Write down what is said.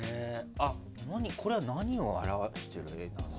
これは何を表している絵なんですか？